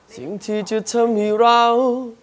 สิ่งที่จะทำให้เรา